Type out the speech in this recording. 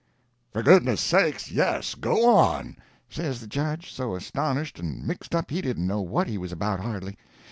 "For God's sake, yes—go on!" says the judge, so astonished and mixed up he didn't know what he was about hardly.